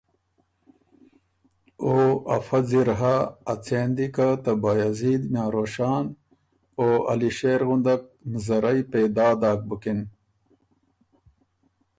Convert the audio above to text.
”او افۀ ځِر هۀ اڅېن دی که ته بایزید میاں روشان او علی شېر غُندک مزرئ پېدا داک بُکِن